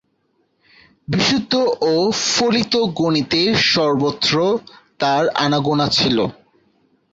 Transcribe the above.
বিশুদ্ধ ও ফলিত গণিতের সর্বত্র তার আনাগোনা ছিল।